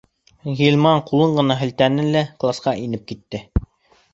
Ғилман ҡул ғына һелтәне лә класҡа инеп китте.